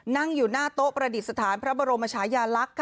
นั่งอยู่หน้าโต๊ะประดิษฐานพระบรมชายาลักษณ์